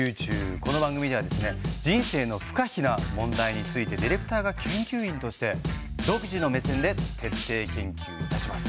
この番組ではですね人生の不可避な問題についてディレクターが研究員として独自の目線で徹底研究いたします。